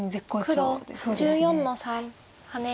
黒１４の三ハネ。